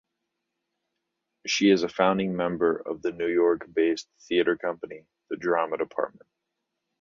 She is a founding member of New York-based theatre company The Drama Dept.